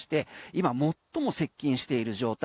今、最も接近している状態。